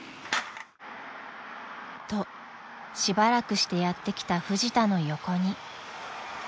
［としばらくしてやって来たフジタの横に］